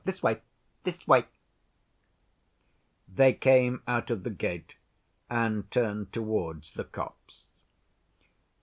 This way, this way." They came out of the gate and turned towards the copse.